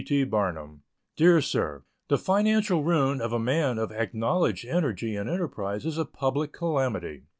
BARNUM: Dear Sir, The financial ruin of a man of acknowledged energy and enterprise is a public calamity.